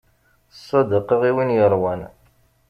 Ssadaqa i win yeṛwan.